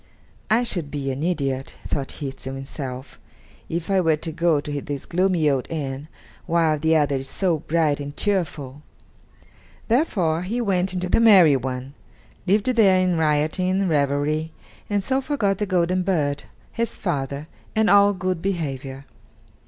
"I should be an idiot," thought he to himself, "if I were to go to this gloomy old inn while the other is so bright and cheerful." Therefore, he went into the merry one, lived there in rioting and revelry, and so forgot the golden bird, his father, and all good behavior.